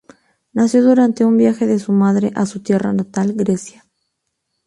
Nació durante un viaje de su madre a su tierra natal, Grecia.